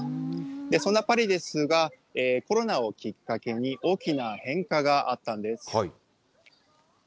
そんなパリですが、コロナをきっかけに、大きな変化があったんです。